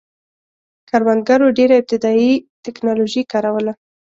کروندګرو ډېره ابتدايي ټکنالوژي کاروله